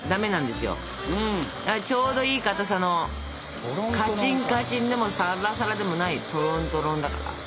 ちょうどいいかたさのカチンカチンでもさらさらでもないトロントロンだから。